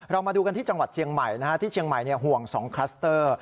มาดูกันที่จังหวัดเชียงใหม่ที่เชียงใหม่ห่วง๒คลัสเตอร์